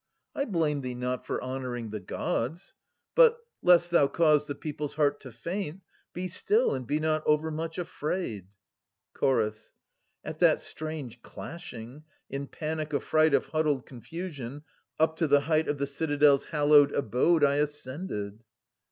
I blame thee not for honouring the Gods ; But, lest thou cause the people*s hearts to faint, Be still, and be not overmuch afraid. Chorus. {AnU 3.) At that strange clashing, in panic affright Of huddled confusion, up to the height 240 Of the citadel's hallowed abode I ascended.